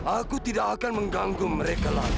aku tidak akan mengganggu mereka lagi